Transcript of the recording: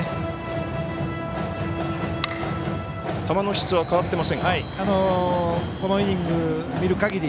球の質は変わってませんか。